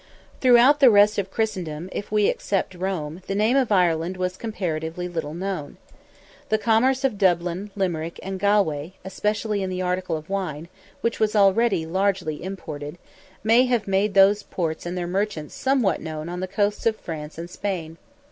Throughout the rest of Christendom—if we except Rome—the name of Ireland was comparatively little known. The commerce of Dublin, Limerick, and Galway, especially in the article of wine, which was already largely imported, may have made those ports and their merchants somewhat known on the coasts of France and Spain.